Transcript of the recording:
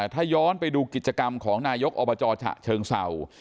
ถ้าย้อนไปดูกิจกรรมของนายกอบจฉะเชิงเศร้า